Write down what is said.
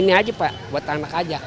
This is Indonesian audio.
ini aja pak buat anak aja